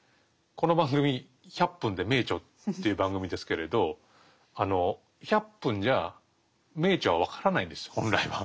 この番組「１００分ｄｅ名著」という番組ですけれど１００分じゃあ名著はわからないですよ本来は。